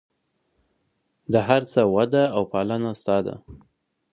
د هر څه وده او پالنه ستا ده.